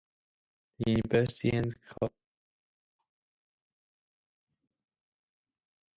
The University and College Union have provided a regularly-updated list of media coverage.